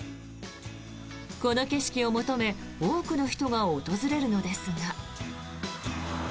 この景色を求め多くの人が訪れるのですが。